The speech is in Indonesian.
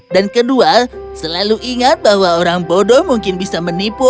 dan kedua selalu ingat bahwa orang bodoh mungkin bisa menipu